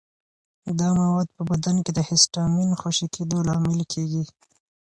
دا مواد په بدن کې د هسټامین خوشې کېدو لامل کېږي.